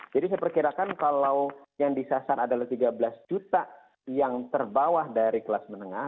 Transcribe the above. jadi saya perkirakan kalau yang disasar adalah tiga belas juta yang terbawah dari kelas menengah